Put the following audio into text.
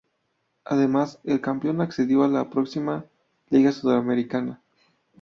Además, el campeón accedió a la próxima Liga Sudamericana.